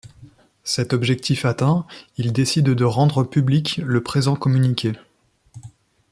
Cet objectif atteint, il décide de rendre public le présent communiqué.